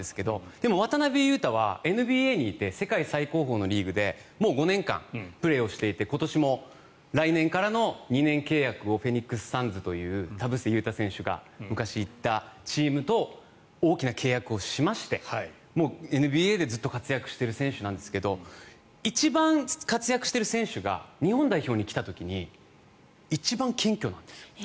でも、渡邊雄太はＮＢＡにいて世界最高峰のリーグで５年間プレーをしていて今年も来年からの２年契約をフェニックス・サンズという田臥勇太選手が昔行ったチームと大きな契約をしましてＮＢＡでずっと活躍している選手なんですけど一番活躍している選手が日本代表に来た時に一番謙虚なんです。